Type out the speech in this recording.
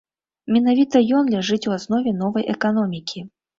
Менавіта ён ляжыць у аснове новай эканомікі.